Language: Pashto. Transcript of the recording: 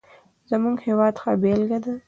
زموږ هېواد ښه بېلګه ده.